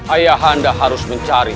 ayah anda harus mencari